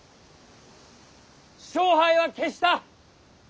勝敗は決した！